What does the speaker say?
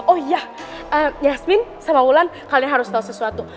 oh iya yasmin sama ulan kalian harus tau sesuatu